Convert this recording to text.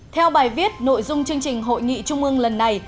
theo bài viết nội dung chương trình hội nghị trung ương lần này